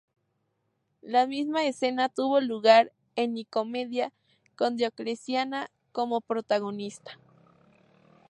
La misma escena tuvo lugar en Nicomedia, con Diocleciano como protagonista.